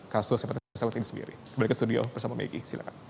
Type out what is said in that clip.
kasus hepatitis agut ini sendiri kembali ke studio bersama meggy silakan